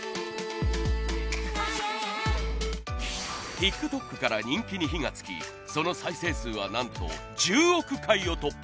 ＴｉｋＴｏｋから人気に火が付きその再生数はなんと１０億回を突破。